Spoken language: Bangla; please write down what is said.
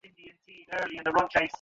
আমি স্থির করেছি আমরা স্টাইলে খাবো।